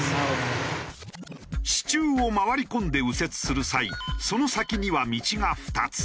支柱を回り込んで右折する際その先には道が２つ。